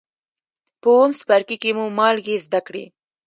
په اووم څپرکي کې مو مالګې زده کړې.